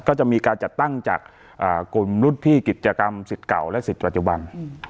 ก็จะมีการจัดตั้งจากกลุ่มรุ่นพี่กิจกรรมสิทธิ์เก่าและสิทธิปัจจุบัน